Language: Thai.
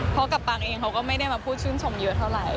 เพราะกับปังเองเขาก็ไม่ได้มาพูดชื่นชมเยอะเท่าไหร่